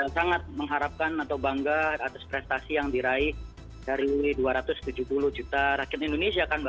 sangat mengharapkan atau bangga atas prestasi yang diraih dari dua ratus tujuh puluh juta rakyat indonesia